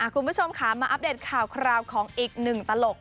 คุณผู้ชมค่ะมาอัปเดตข่าวคราวของอีกหนึ่งตลก